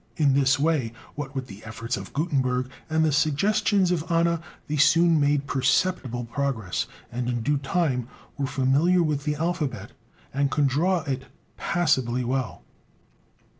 In this way, what with the efforts of Gutenberg, and the suggestions of Anna, they soon made perceptible progress, and in due time were familiar with the alphabet, and could draw it passably well.